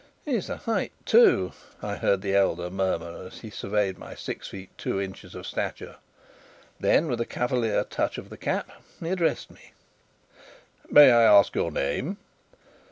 "He's the height, too!" I heard the elder murmur, as he surveyed my six feet two inches of stature. Then, with a cavalier touch of the cap, he addressed me: "May I ask your name?"